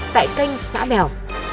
tại kênh xã bèo